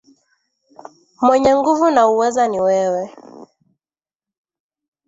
Mwenye nguvu na uweza ni wewe.